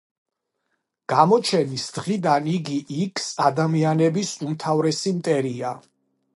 გამოჩენის დღიდან იგი იქს-ადამიანების უმთავრესი მტერია.